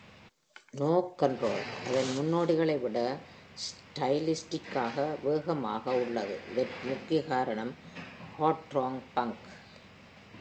"No control" அதன் முன்னோடிகளை விட ஸ்டைலிஸ்டிக்காக வேகமாக உள்ளது, இதற்கு முக்கிய காரணம் ஹார்ட்கோர் பங்க்.